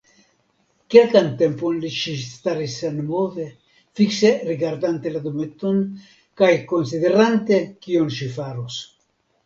Kelkan tempon ŝi staris senmove, fikse rigardante la dometon kaj konsiderante, kion ŝi faros.